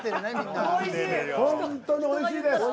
本当においしいです。